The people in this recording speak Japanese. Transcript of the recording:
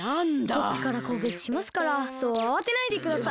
こっちからこうげきしますからそうあわてないでください。